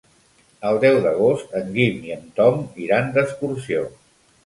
El deu d'agost en Guim i en Tom iran d'excursió.